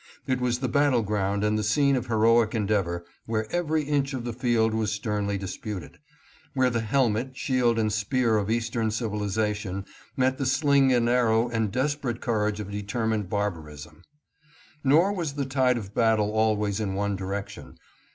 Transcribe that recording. It was the battle ground and the scene of heroic en deavor, where every inch of the field was sternly dis puted ; where the helmet, shield, and spear of Eastern civilization met the sling and arrow and desperate cour age of determined barbarism. Nor was the tide of battle always in one direction.